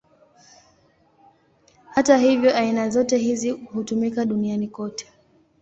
Hata hivyo, aina zote hizi hutumika duniani kote.